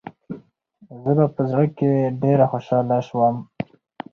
زه په زړه کې ډېره خوشحاله شوم .